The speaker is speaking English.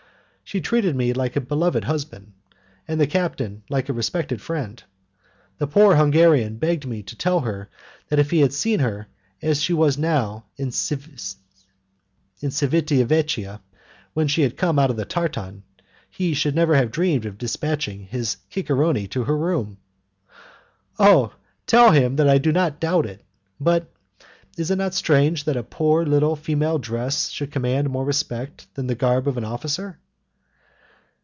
She treated me like a beloved husband, and the captain like a respected friend. The poor Hungarian begged me to tell her that if he had seen her, as she was now, in Civita Vecchia, when she came out of the tartan, he should never have dreamed of dispatching his cicerone to her room. "Oh! tell him that I do not doubt it. But is it not strange that a poor little female dress should command more respect than the garb of an officer?"